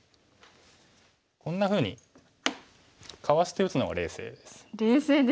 こんなふうにかわして打つのが冷静です。